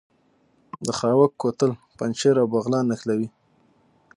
د خاوک کوتل پنجشیر او بغلان نښلوي